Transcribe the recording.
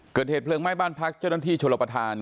เกิดเหตุเพลิงไหม้บ้านพักเจ้าหน้าที่ชลประธาน